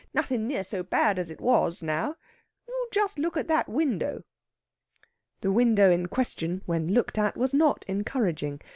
Nothin' near so bad as it was, now. Just you look at that window." The window in question, when looked at, was not encouraging.